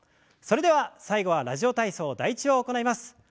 それでは最後は「ラジオ体操第１」を行います。